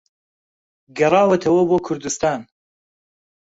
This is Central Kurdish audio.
گەڕاوەتەوە بۆ کوردوستان